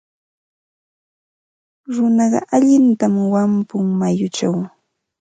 Runaqa allintam wampun mayuchaw.